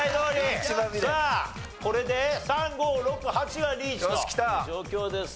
さあこれで３５６８がリーチと状況です。